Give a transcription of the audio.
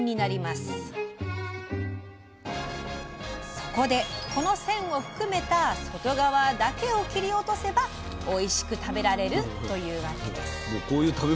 そこでこの線を含めた外側だけを切り落とせばおいしく食べられるというわけです。